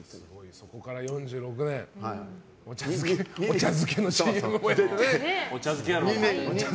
そこから４６年お茶漬けのＣＭもやって。